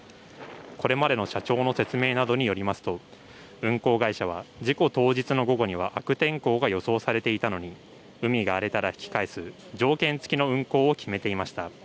これまでの社長の説明などによりますと運航会社は事故当日の午後には悪天候が予想されていたのに海が荒れたら引き返す条件付きの運航を決めていました。